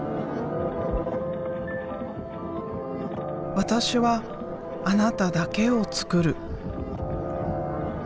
私はあなただけを作る。